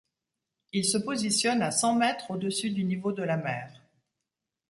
Il se positionne à cent mètres au-dessus du niveau de la mer.